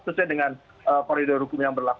terusnya dengan periode hukum yang berlaku